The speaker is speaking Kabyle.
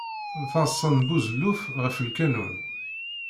D taḍsa n buzelluf ɣef lkanun.